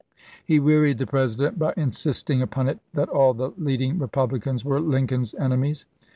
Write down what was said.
He wearied the President by insisting upon it that all the leading Eepublicans were Lincoln's enemies.